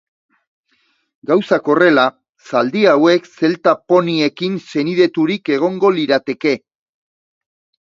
Gauzak horrela, zaldi hauek zelta poniekin senideturik egongo lirateke.